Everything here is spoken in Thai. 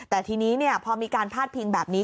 แต่ทีนี้พอมีการพาดพิงแบบนี้